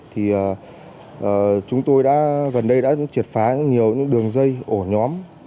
thì chúng tôi đã gần đây đã triệt phá nhiều đường dây ổ nhóm